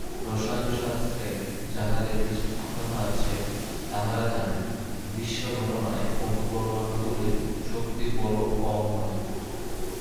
রসায়নশাস্ত্রে যাঁহাদের বিচক্ষণতা আছে তাঁহারা জানেন, বিশ্বঘটনায় অণুপরমাণুগুলির শক্তি বড়ো কম নয়।